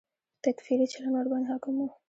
تکفیري چلند ورباندې حاکم و.